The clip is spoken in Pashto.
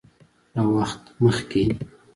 له وخت مخکې